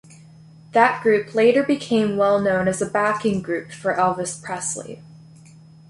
That group later became well known as a backing group for Elvis Presley.